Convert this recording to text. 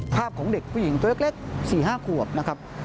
ภาพของเด็กผู้หญิงตัวเล็ก๔๕ขวบนะครับ